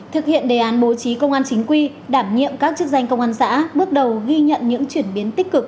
thực hiện đề án bố trí công an chính quy đảm nhiệm các chức danh công an xã bước đầu ghi nhận những chuyển biến tích cực